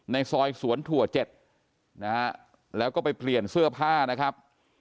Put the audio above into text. ในซอยสวนถั่ว๗นะฮะแล้วก็ไปเปลี่ยนเสื้อผ้านะครับ